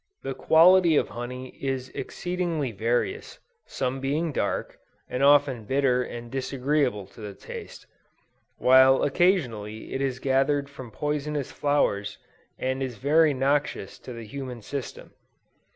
The quality of honey is exceedingly various, some being dark, and often bitter and disagreeable to the taste, while occasionally it is gathered from poisonous flowers, and is very noxious to the human system.